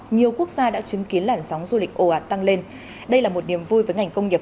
nhiều quốc gia đã chứng kiến làn sóng du lịch ồ ạt tăng lên đây là một niềm vui với ngành công nghiệp